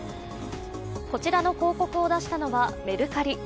こちらの広告を出したのはメルカリ。